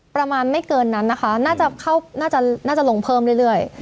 ประมาณไม่เกินนั้นนะคะน่าจะเข้าน่าจะลงเพิ่มเรื่อย